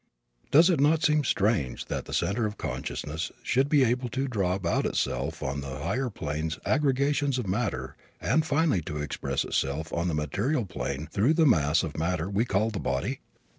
Does it seem strange that the center of consciousness should be able to draw about itself on the higher planes aggregations of matter and finally to express itself on the material plane through the mass of matter we call the body?